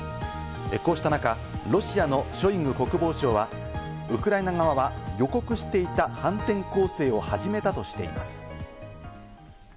こうした中、ロシアのショイグ国防相はウクライナ側は予告していた反転攻勢を始めたとしています。